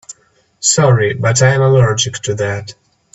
Sorry but I'm allergic to that.